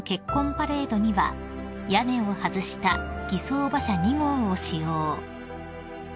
パレードには屋根を外した儀装馬車２号を使用］